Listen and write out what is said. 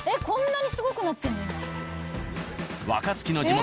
こんなにすごくなってんの？